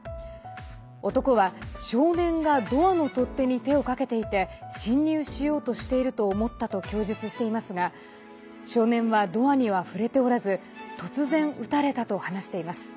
男は、少年がドアの取っ手に手をかけていて侵入しようとしていると思ったと供述していますが少年はドアには触れておらず突然、撃たれたと話しています。